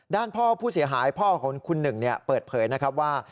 ด้านพ่อผู้เสียหายพ่อของคุณหนึ่งเปิดเผยนะครับว่า